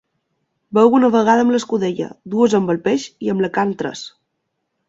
Beu una vegada amb l'escudella, dues amb el peix i amb la carn tres.